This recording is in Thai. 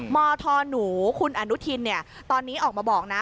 มธหนูคุณอนุทินตอนนี้ออกมาบอกนะ